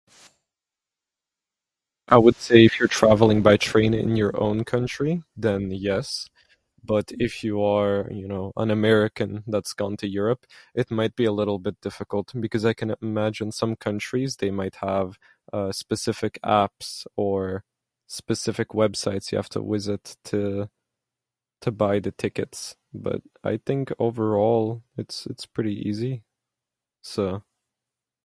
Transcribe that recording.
I would say if you are travelling by train in your own country, then yes. But if you are, you know, an american that's gone to Europe it can be a little bit difficult because I can imagine some countries might have specific apps or specific websites you have to visit to buy the tickets but I think overall it's pretty easy.